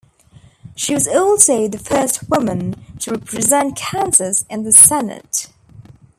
She was also the first woman to represent Kansas in the Senate.